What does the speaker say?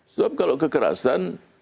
soal kalau kekerasan